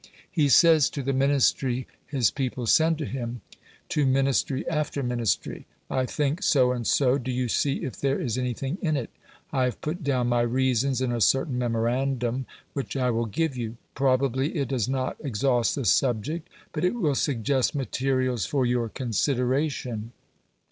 He says to the Ministry his people send to him, to Ministry after Ministry, "I think so and so; do you see if there is anything in it. I have put down my reasons in a certain memorandum, which I will give you. Probably it does not exhaust the subject, but it will suggest materials for your consideration."